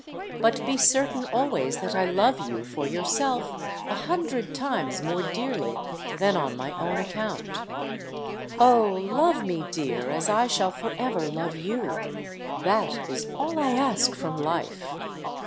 But be certain always that I love you for yourself a hundred times more dearly than on my own account. Oh, love me, dear, as I shall forever love you! That is all I ask from life.